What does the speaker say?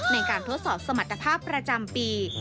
ในการทดสอบสมรรถภาพประจำปี